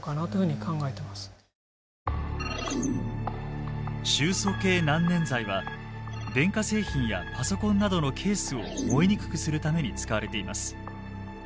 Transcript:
今回は臭素系難燃剤は電化製品やパソコンなどのケースを燃えにくくするために使われています。